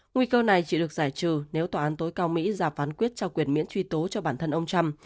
nguy cơ này chỉ được giải trừ nếu tòa án tối cao mỹ ra phán quyết trao quyền miễn truy tố cho bản thân ông trump